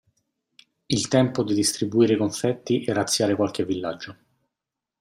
Il tempo di distribuire i confetti e razziare qualche villaggio.